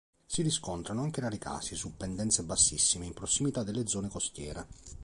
Si riscontrano anche rari casi su pendenze bassissime in prossimità delle zone costiere.